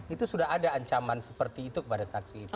itu sudah ada ancaman seperti itu kepada saksi itu